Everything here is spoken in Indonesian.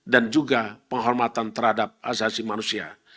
dan juga penghormatan terhadap asasi manusia